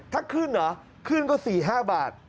ถ้าขึ้นเหรอขึ้นก็๔๕บาท